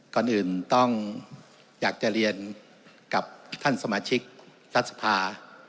ก่อนอื่นต้องอยากจะเรียนกับท่านสมาชิกรัฐสภา